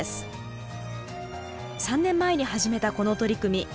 ３年前に始めたこの取り組み。